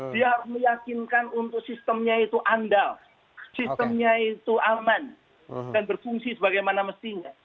dia harus meyakinkan untuk sistemnya itu andal sistemnya itu aman dan berfungsi sebagaimana mestinya